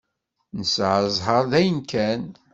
Nesɛa ẓẓher dayen kan.